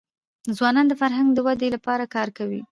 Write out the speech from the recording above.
ځوانان د فرهنګ د ودې لپاره کار کوي.